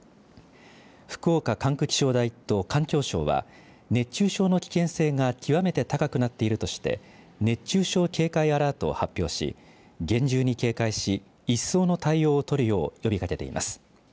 福岡管区気象台と環境省は熱中症の危険性が極めて高くなっているとして熱中症警戒アラートを発表し厳重に警戒し一層の対応を取るよう呼びかけています。